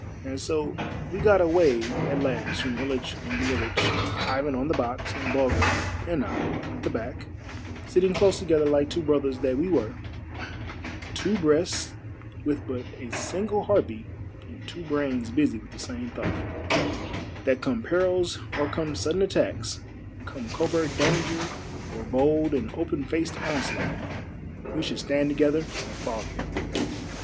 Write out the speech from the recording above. And so we got away at last from Hitch on the Ilitch, Ivan on the box, and Bulger and I at the back, sitting close together like two brothers that we were — two breasts with but a single heart beat and two brains busy with the same thought — that come perils or come sudden attacks, come covert danger or bold and open faced onslaught, we should stand together and fall together